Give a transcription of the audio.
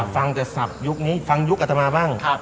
ฟังแต่ศัพท์ยุคนี้ฟังยุคอัตมาบ้าง